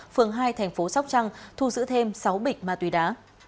phường hai thành phố sóc trăng thu giữ thêm sáu bịch ma túy đá